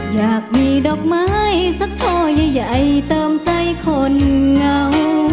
อยากมีดอกไม้สักช่อใหญ่เติมใจคนเหงา